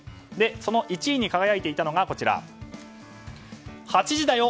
その１位に輝いていたのが「８時だよ！！